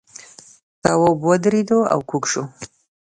تواب ودرېد او کوږ شو.